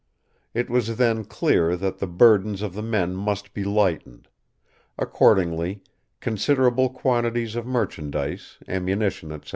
It was then clear that the burdens of the men must be lightened; accordingly, considerable quantities of merchandise, ammunition, etc.